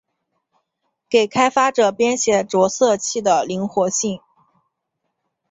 给开发者编写着色器的灵活性。